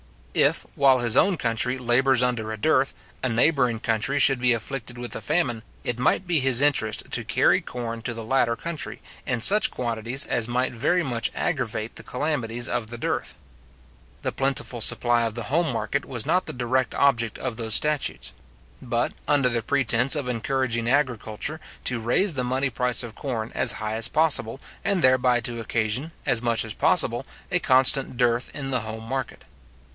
If, while his own country labours under a dearth, a neighbouring country should be afflicted with a famine, it might be his interest to carry corn to the latter country, in such quantities as might very much aggravate the calamities of the dearth. The plentiful supply of the home market was not the direct object of those statutes; but, under the pretence of encouraging agriculture, to raise the money price of corn as high as possible, and thereby to occasion, as much as possible, a constant dearth in the home market.